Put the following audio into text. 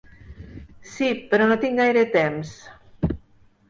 Sí, però no tinc gaire temps.